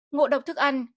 ngộ độc thức ăn